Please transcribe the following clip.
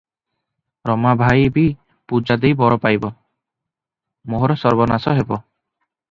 ରାମା ଭାଇ ବି ପୂଜା ଦେଇ ବର ପାଇବ, ମୋହର ସର୍ବନାଶ ହେବ ।